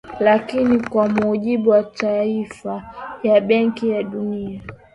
Lakini kwa mujibu wa taarifa ya Benki ya Dunia